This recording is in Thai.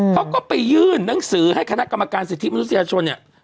เขาก็ไปยื่นหนังสือให้คณะกรรมการสิทธิมนุษยชนเนี่ย